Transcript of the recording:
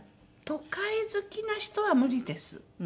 都会好きな人は無理です。